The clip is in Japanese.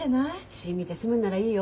血ぃ見て済むんならいいよ。